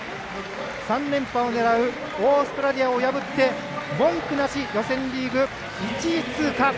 ３連覇を狙うオーストラリアを破って文句なし、予選リーグ１位通過。